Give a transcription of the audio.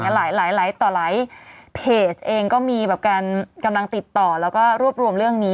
หลายต่อหลายเพจเองก็มีแบบการกำลังติดต่อแล้วก็รวบรวมเรื่องนี้